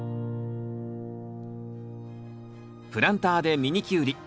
プランターでミニキュウリ。